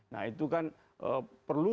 nah itu kan perlu